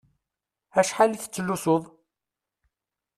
Acḥal i tettlusuḍ?